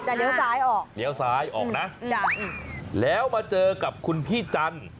เลี้ยวซ้ายออกเลี้ยวซ้ายออกนะจ้ะแล้วมาเจอกับคุณพี่จันทร์